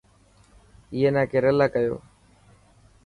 اي نا ڪيريلا ڪيو.